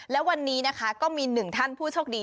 และวันนี้นะคะก็มีหนึ่งท่านผู้โชคดี